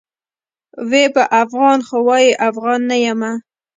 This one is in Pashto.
وي به افغان؛ خو وايي افغان نه یمه